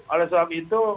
oleh sebab itu